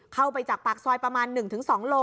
เข้าไปจากปากซอยประมาณ๑๒โล